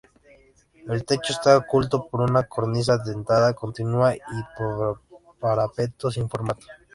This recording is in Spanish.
El techo está oculto por una cornisa dentada continua y parapeto sin formato.